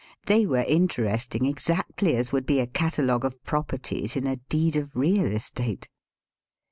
They were interesting exactly as would be a cata logue of properties in a deed of real estate.